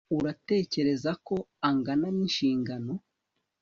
Uratekereza ko angana ninshingano